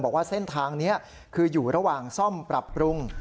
บอกว่าเส้นทางนี้คืออยู่ระหว่างซ่อมปรับปรุง